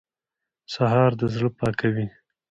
سهار د زړه پاکوي.